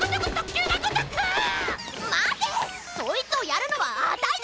そいつをやるのはあたいだ！